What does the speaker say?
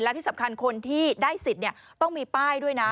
และที่สำคัญคนที่ได้สิทธิ์ต้องมีป้ายด้วยนะ